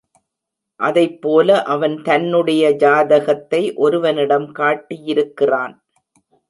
அதைப்போல அவன் தன்னுடைய ஜாதகத்தை ஒருவனிடம் காட்டியிருக்கிறான்.